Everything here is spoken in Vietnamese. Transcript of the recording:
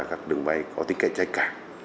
các đường bay có tính cạnh trách cả